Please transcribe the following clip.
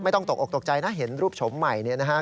ตกออกตกใจนะเห็นรูปชมใหม่เนี่ยนะฮะ